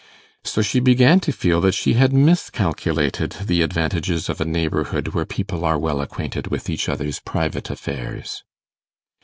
So she began to feel that she had miscalculated the advantages of a neighbourhood where people are well acquainted with each other's private affairs.